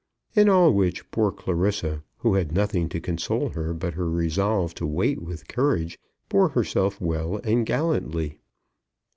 In all which poor Clarissa, who had nothing to console her but her resolve to wait with courage, bore herself well and gallantly.